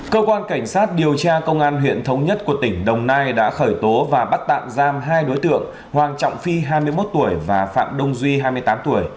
cơ quan cảnh sát điều tra công an huyện thống nhất của tỉnh đồng nai đã khởi tố và bắt tạm giam hai đối tượng hoàng trọng phi hai mươi một tuổi và phạm đông duy hai mươi tám tuổi